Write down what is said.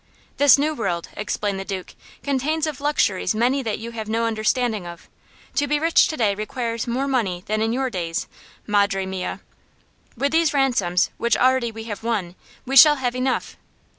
"This new world," explained the Duke, "contains of luxuries many that you have no understanding of. To be rich to day requires more money than in your days, madre mia. With these ransoms, which already we have won, we shall have enough.